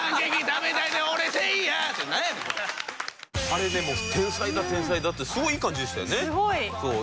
あれでも天才だ天才だってすごいいい感じでしたよね。